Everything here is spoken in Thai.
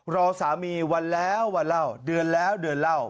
รอสามีวันแล้ววันเล่าเดือนแล้วเดือนเล่า